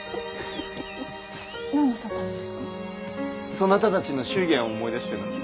そなたたちの祝言を思い出してな。